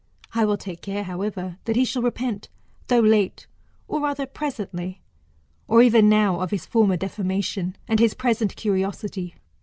I will take care, however, that he shall repent, though late, or rather presently, or even now, of his former defamation, and his present curiosity.